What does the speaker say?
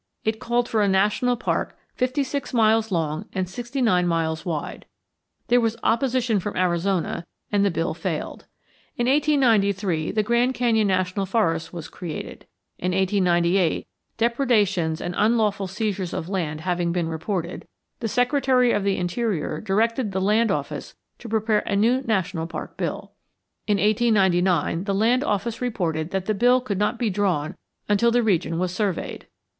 It called for a national park fifty six miles long and sixty nine miles wide. There was opposition from Arizona and the bill failed. In 1893 the Grand Canyon National Forest was created. In 1898, depredations and unlawful seizures of land having been reported, the Secretary of the Interior directed the Land Office to prepare a new national park bill. In 1899 the Land Office reported that the bill could not be drawn until the region was surveyed.